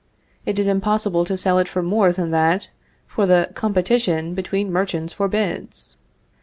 It is impossible to sell it for more than that, for the competition between merchants forbids.